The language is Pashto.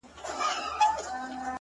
• ويل پلاره يوه ډله ماشومان وه ,